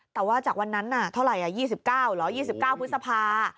แต่ว่าจากวันนั้นเท่าไหร่๒๙เหรอ๒๙พฤษภา